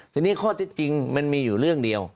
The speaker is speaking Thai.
ทีนี้ข้อที่จริงมันมีอยู่เรื่องเดียว